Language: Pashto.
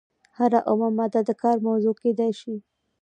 هره اومه ماده د کار موضوع کیدای شي.